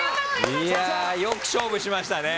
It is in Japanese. いやよく勝負しましたね。